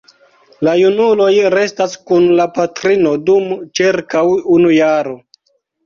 La junuloj restas kun la patrino dum ĉirkaŭ unu jaro.